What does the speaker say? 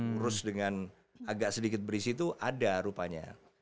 kurus dengan agak sedikit berisi itu ada rupanya